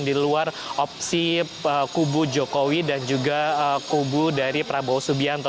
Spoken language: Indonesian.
di luar opsi kubu jokowi dan juga kubu dari prabowo subianto